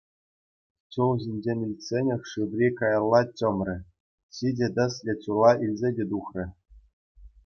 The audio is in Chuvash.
Чул ҫинчен илтсенех Шыври каялла чӑмрӗ — ҫичӗ тӗслӗ чула илсе те тухрӗ.